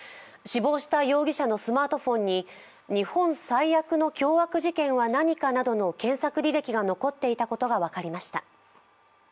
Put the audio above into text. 死亡した容疑者のスマートフォンに日本最悪の凶悪事件はなにかなどの検索履歴が残っていたことが分かりました。